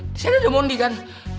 di sini ada mondi kan